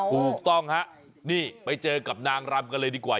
ถูกต้องฮะนี่ไปเจอกับนางรำกันเลยดีกว่า